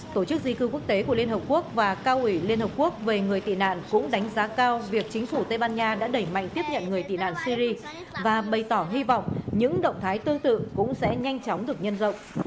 tổ chức di cư quốc tế của liên hợp quốc và cao ủy liên hợp quốc về người tị nạn cũng đánh giá cao việc chính phủ tây ban nha đã đẩy mạnh tiếp nhận người tị nạn syri và bày tỏ hy vọng những động thái tương tự cũng sẽ nhanh chóng được nhân rộng